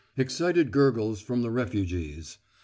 '" Excited gurgles from the refugees.